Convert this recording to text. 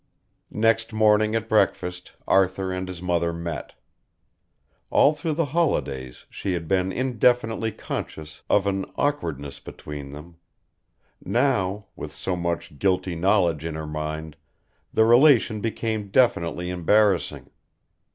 Next morning at breakfast Arthur and his mother met. All through the holidays she had been indefinitely conscious of an awkwardness between them; now, with so much guilty knowledge in her mind, the relation became definitely embarrassing.